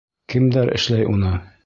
Кемдәр эшләй уны?